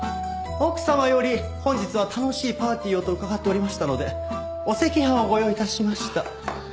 奥様より本日は楽しいパーティーをと伺っておりましたのでお赤飯をご用意致しました。